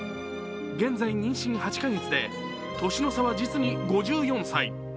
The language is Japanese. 現在、妊娠８か月で年の差は実に５４歳。